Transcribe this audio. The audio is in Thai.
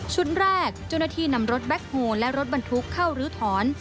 แรกเจ้าหน้าที่นำรถแบ็คโฮและรถบรรทุกเข้ารื้อถอน